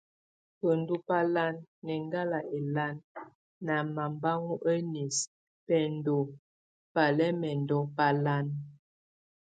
Buêndu bálan, nʼ eŋgál elan, na mabaŋo enis, bɛndo balɛ́mɛndo balan.